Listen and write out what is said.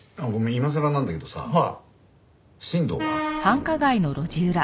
今さらなんだけどさ新藤は？